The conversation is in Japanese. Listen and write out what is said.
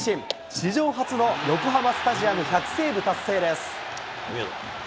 史上初の横浜スタジアム１００セーブ達成です。